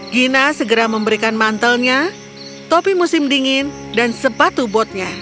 gina segera memberikan mantelnya topi musim dingin dan sepatu botnya